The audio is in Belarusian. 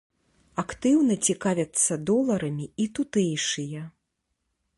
Актыўна цікавяцца доларамі і тутэйшыя.